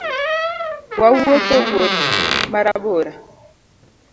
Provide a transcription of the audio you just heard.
Wawuotho wuoth marabora